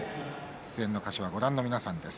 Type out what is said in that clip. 出演の歌手は、ご覧の皆さんです。